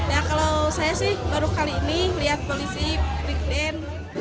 ya kalau saya sih baru kali ini lihat polisi diklaim